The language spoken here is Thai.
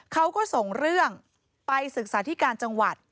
เขาก็ส่งเรื่องไปศึกษาธิการจังหวัด